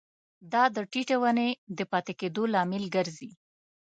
دا د ټیټې ونې د پاتې کیدو لامل ګرځي.